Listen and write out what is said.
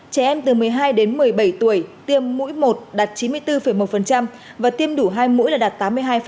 trẻ em từ một mươi hai đến một mươi bảy tuổi tiêm mũi một đạt chín mươi bốn một và tiêm đủ hai mũi là đạt tám mươi hai